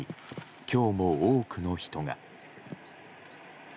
今日も多くの人が。